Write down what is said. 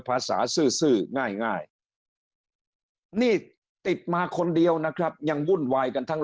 ซื้อง่ายนี่ติดมาคนเดียวนะครับยังวุ่นวายกันทั้ง